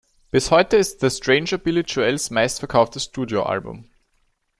Bis heute ist "The Stranger" Billy Joels meistverkauftes Studioalbum.